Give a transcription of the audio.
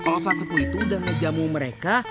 kalau ustadz sepuh itu udah ngejamu mereka